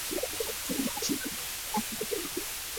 তিনি তার সীমাবদ্ধতা দেখাতে থাকেন।